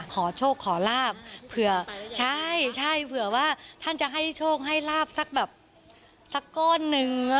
ขอโชคขอลาบเผื่อใช่ใช่เผื่อว่าท่านจะให้โชคให้ลาบสักแบบสักก้อนหนึ่ง